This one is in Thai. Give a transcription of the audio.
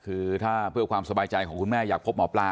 คือถ้าเพื่อความสบายใจของคุณแม่อยากพบหมอปลา